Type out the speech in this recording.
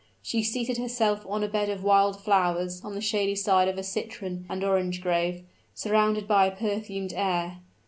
She seated herself on a bed of wild flowers on the shady side of a citron and orange grove, surrounded by a perfumed air.